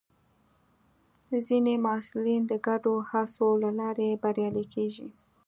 ځینې محصلین د ګډو هڅو له لارې بریالي کېږي.